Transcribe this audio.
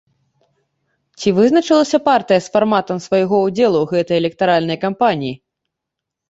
Ці вызначылася партыя з фарматам свайго ўдзелу ў гэтай электаральнай кампаніі?